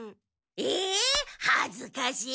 えっはずかしい！